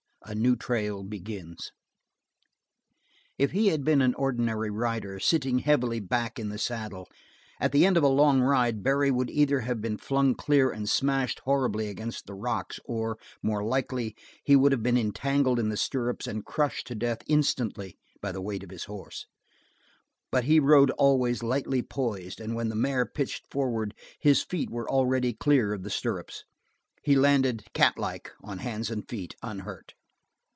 A New Trail Begins If he had been an ordinary rider, sitting heavily far back in the saddle, at the end of a long ride, Barry would either have been flung clear and smashed horribly against the rocks, or, more likely, he would have been entangled in the stirrups and crushed to death instantly by the weight of his horse; but he rode always lightly poised and when the mare pitched forward his feet were already clear of the stirrups. He landed, catlike, on hands and feet, unhurt.